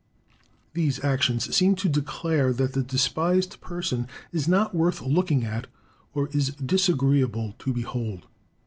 These actions seem to declare that the despised person is not worth looking at or is disagreeable to behold.